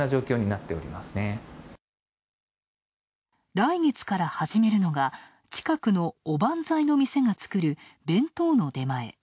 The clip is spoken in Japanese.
来月から始めるのが近くのおばんざいの店が作る弁当の出前。